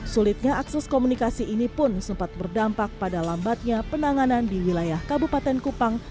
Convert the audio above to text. sulitnya akses komunikasi ini pun sempat berdampak pada lambatnya penanganan di wilayah kabupaten kupang